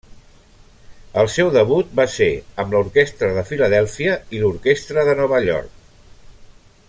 El seu debut va ser amb l'Orquestra de Filadèlfia, i l'Orquestra de Nova York.